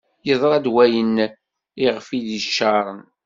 Yeḍra-d wayen iɣef i d-caren.